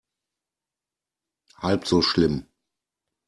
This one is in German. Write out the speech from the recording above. Halb so schlimm.